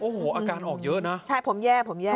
โอ้โหอาการออกเยอะนะใช่ผมแย่ผมแย่